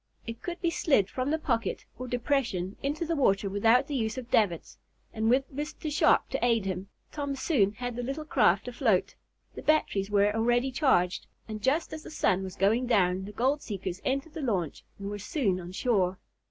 It could be slid from the pocket, or depression, into the water without the use of davits, and, with Mr. Sharp to aid him, Tom soon had the little craft afloat. The batteries were already charged, and just as the sun was going down the gold seekers entered the launch and were soon on shore.